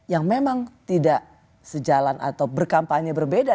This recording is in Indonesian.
yang memang tidak sejalan atau berkampanye berbeda